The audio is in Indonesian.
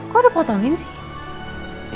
kok udah potongin sih